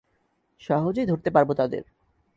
সহজেই ধরতে পারবো তাদের।